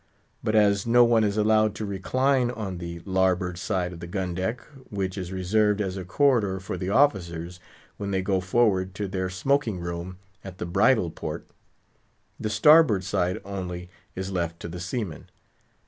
But as no one is allowed to recline on the larboard side of the gun deck (which is reserved as a corridor for the officers when they go forward to their smoking room at the bridle port), the starboard side only is left to the seaman.